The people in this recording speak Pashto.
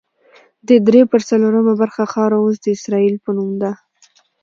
دې درې پر څلورمه برخه خاوره اوس د اسرائیل په نوم ده.